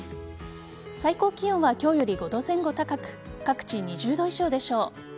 最高気温は今日より５度前後高く各地２０度以上でしょう。